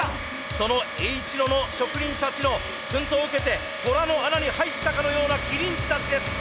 そのＨ野の職人たちの薫陶を受けて虎の穴に入ったかのようなきりん児たちです。